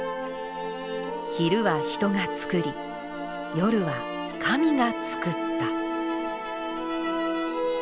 「昼は人がつくり夜は神がつくった」。